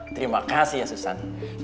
terima kasih ya susan